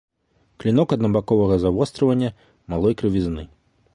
Клінок аднабаковага завострывання, малой крывізны.